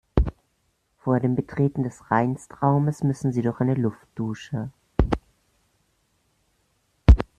Vor dem Betreten des Reinstraumes müssen Sie durch eine Luftdusche.